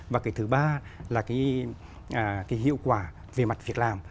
và cái thứ ba là cái hiệu quả về mặt việc làm